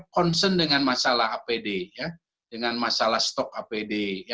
concern dengan masalah apd dengan masalah stok apd